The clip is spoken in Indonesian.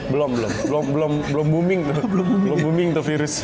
belum booming tuh virus